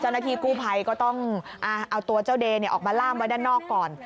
จนละทีกู้ไพก็ต้องตัวเจ้าเดนี่ยออกมาร่ามไว้ด้านนอกก่อน